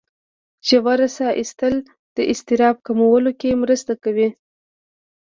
ژوره ساه ایستل د اضطراب کمولو کې مرسته کوي.